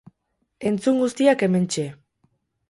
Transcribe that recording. Entzun guztiak, hementxe.